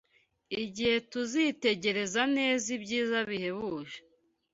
igihe tuziteregereza neza ibyiza bihebuje